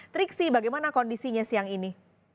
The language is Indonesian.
triksi bagaimana kondisinya siang ini